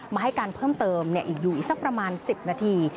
ให้การเพิ่มเติมอีกอยู่อีกสักประมาณ๑๐นาที